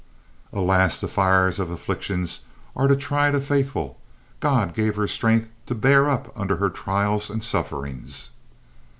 "Alas, the fires of affliction are to try the faithful. God gave her strength to bear up under her trials and sufferings."